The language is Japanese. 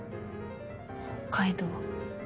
北海道。